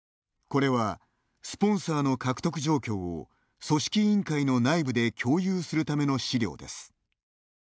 これはスポンサーの獲得状況を組織委員会の内部で共有するための資料です。